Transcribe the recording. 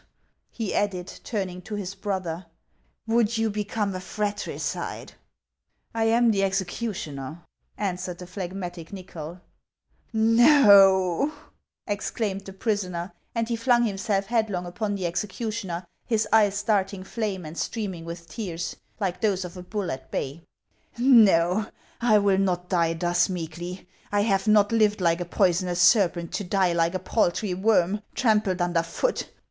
" he added, turning to his brother, "would you become a fratricide ?"" I am the executioner," answered the phlegmatic NychoL " Xo !" exclaimed the prisoner ; and he flung himself headlong upon the executioner, his eyes darting flame and 516 HANS OF ICELAND. streaming with tears, like those of a bull at bay, —" no, I will not die thus meekly ; I have not lived like a poison ous serpent to die like a paltry worm trampled under foot